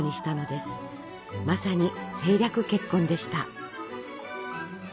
まさに政略結婚でした。